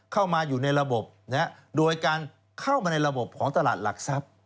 เข้ามาอยู่ในระบบโดยการเข้ามาในระบบของตลาดหลักทรัพย์